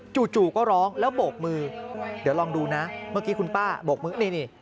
จู่ก็ร้องแล้วโบกมือเดี๋ยวลองดูนะเมื่อกี้คุณป้าโบกมือนี่